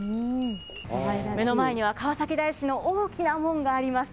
目の前には川崎大師の大きな門があります。